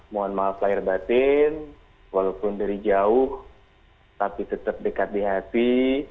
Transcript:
mohon maaf lahir batin walaupun dari jauh tapi tetap dekat di hati